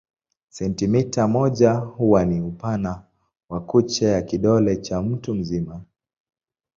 Sentimita moja huwa ni upana wa kucha ya kidole cha mtu mzima.